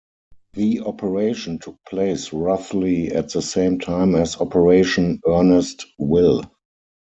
The operation took place roughly at the same time as Operation Earnest Will.